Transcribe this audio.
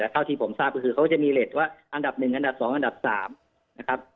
เท่าที่ผมทราบก็คือเขาก็จะมีเล็ตว่าอันดับ๑อันดับ๒อันดับ๓นะครับ